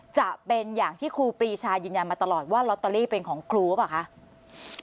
จะเป็นอย่างที่ครูปรีชายืนยันมาตลอดว่าลอตเตอรี่เป็นของครูหรือเปล่าคะ